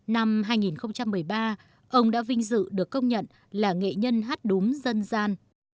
năm hai nghìn một mươi ba ông đã vinh dự được công nhận là nghệ nhân hát đúng dân gian